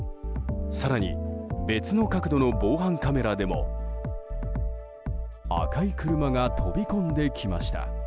更に、別の角度の防犯カメラでも赤い車が飛び込んできました。